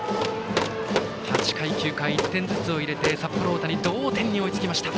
８回、９回に１点ずつを入れて札幌大谷、同点に追いつきました。